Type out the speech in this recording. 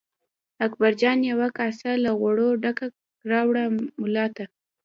اکبرجان یوه کاسه له غوړو ډکه راوړه ملا ته.